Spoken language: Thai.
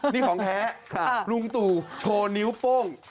นี่ของแท้ลุงตู่โชว์นิ้วโป้ง